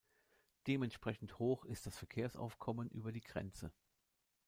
Dementsprechend hoch ist das Verkehrsaufkommen über die Grenze.